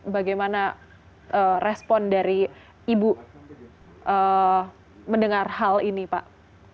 bagaimana respon dari ibu mendengar hal ini pak